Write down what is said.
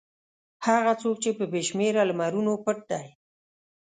هغه څوک چې په بې شمېره لمرونو پټ دی.